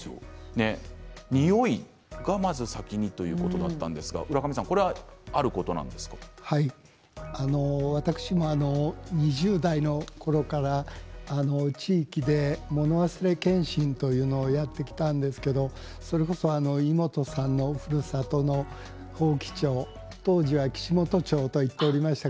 においがまず先にということだったんですが私も２０代のころから地域で物忘れ検診というものをやってきたんですけどそれこそイモトさんのふるさとの伯耆町、当時は、岸本町といっておりました。